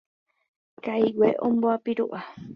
Kaigue omboapiru'a.